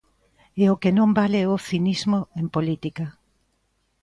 E o que non vale é o cinismo en política.